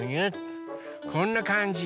こんなかんじ。